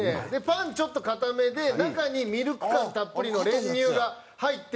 パンちょっと硬めで中にミルク感たっぷりの練乳が入ってるんですけど。